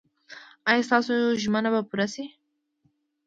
ایا ستاسو ژمنه به پوره شي؟